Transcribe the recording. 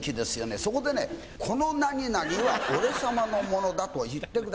そこでね「この何々は俺様のものだ」と言ってください。